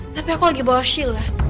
tapi aku lagi bawa shield lah